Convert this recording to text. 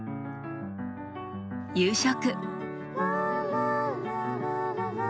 夕食。